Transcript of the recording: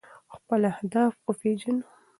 خپل اهداف وپیژنو.